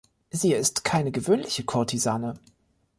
Sie ist keine gewöhnliche Kurtisane.